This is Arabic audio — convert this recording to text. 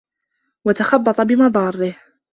وَتَخَبَّطَ بِمَضَارِّهِ